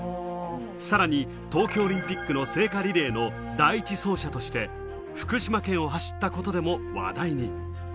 さらに東京オリンピックの聖火リレーの第１走者として、福島県を走ったことでも話題に。